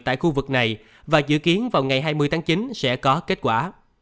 tại khu vực này và dự kiến vào ngày hai mươi tháng chín sẽ có kết quả